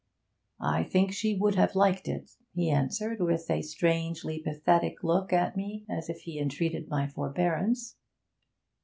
'I think she would have liked it,' he answered, with a strangely pathetic look at me, as if he entreated my forbearance.